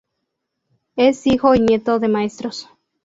Es hijo y nieto de maestros.